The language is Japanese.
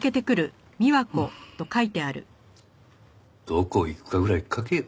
どこ行くかぐらい書けよ！